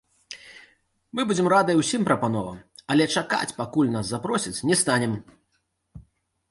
Мы будзем радыя ўсім прапановам, але чакаць пакуль нас запросяць не станем.